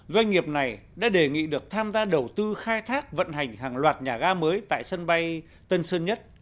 doanh nghiệp này đã đề nghị được tham gia đầu tư khai thác vận hành hàng loạt nhà ga mới tại sân bay tân sơn nhất